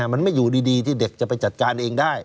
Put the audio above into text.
มันไม่อยู่ดีที่เด็กจะไปจัดการเองได้